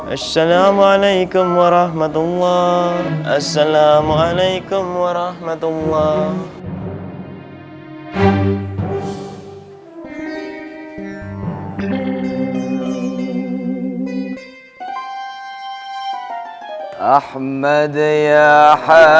assalamu alaikum warahmatullahi wasalamu alaikum warahmatullah